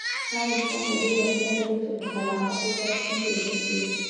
هر انسان د دې وړتیا لري چې په خلاقه توګه ستونزې حل کړي.